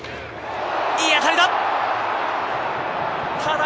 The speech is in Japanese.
いい当たりだ。